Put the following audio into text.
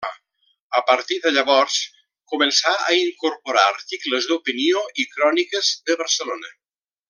A partir de llavors, començà a incorporar articles d'opinió i cròniques de Barcelona.